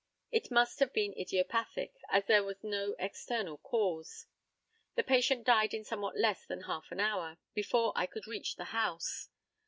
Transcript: It must have been idiopathic, as there was no external cause. The patient died in somewhat less than half an hour, before I could reach the house.